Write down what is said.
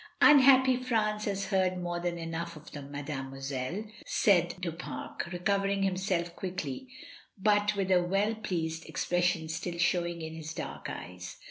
"Unhappy France has heard more than enough of them, mademoiselle," said Du Pare, recovering himself quickly, but with a very well pleased ex pression still showing in his dark eyes.